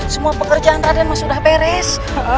semua pekerjaan raden sudah beres